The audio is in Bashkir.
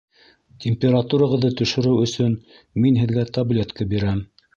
Температурағыҙҙы төшөрөү өсөн мин һеҙгә таблетка бирәм